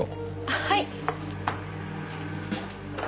はい。